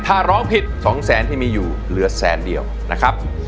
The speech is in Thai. ถ้าร้องผิด๒แสนที่มีอยู่เหลือแสนเดียวนะครับ